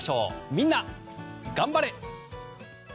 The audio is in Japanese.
みんながん晴れ！